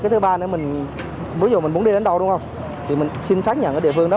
cái thứ ba nữa mình ví dụ mình muốn đi đến đâu đúng không thì mình xin xác nhận ở địa phương đó